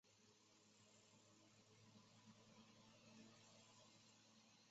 莱瑟萨尔德。